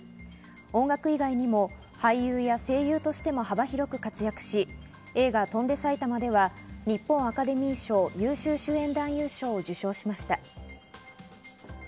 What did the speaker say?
音楽以外にも俳優や声優としても幅広く活躍し、映画『翔んで埼玉』では日本アカデミー賞優秀主演男優賞を受賞しました。